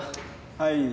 はい。